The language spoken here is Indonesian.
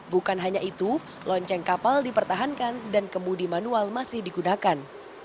bukan hanya itu lonceng kapal dipertahankan dan kemudi manual masih digunakan